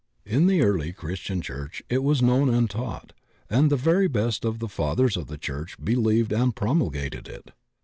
In the early Christian church it was known and taught, and the very best of the fathers of the church believed and promulgated it.